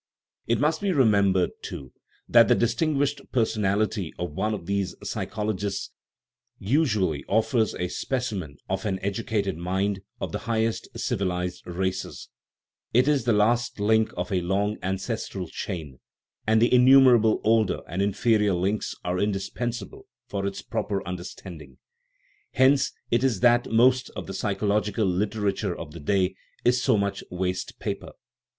It must be remembered, too, that the distin guished personality of one of these psychologists usu ally offers a specimen of an educated mind of the high est civilized races ; it is the last link of a long ancestral chain, and the innumerable older and inferior links are indispensable for its proper understanding. Hence it is that most of the psychological literature of the day is so much waste paper.